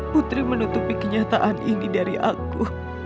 putri menutupi kenyataan ini dari aku